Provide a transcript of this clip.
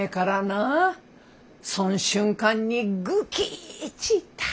そん瞬間にぐきっちいった。